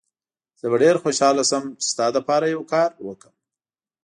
زه به ډېر خوشحاله شم چي ستا لپاره یو کار وکړم.